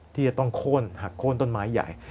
ที่จะต้องโค้นหักโค้นต้นไม้ใหญ่